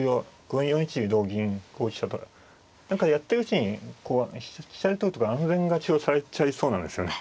この４一に同銀５一飛車とか何かやってるうちにこう飛車で取るとか安全勝ちをされちゃいそうなんですよね。